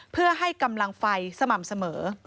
เพื่อให้กำลังไฟสม่ำเสมอ